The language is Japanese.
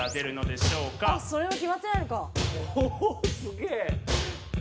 すげえ！